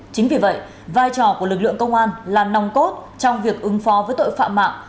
chính vì vậy vai trò của lực lượng công an là nòng cốt trong việc ứng phó với tội phạm mạng